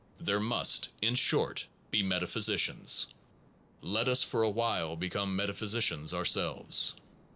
1 There must in short be metaphysicians. Let us for a while become metaphysicians ourselves.